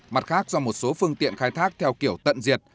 mặt khác do một số phương tiện khai thác theo kiểu tận diệt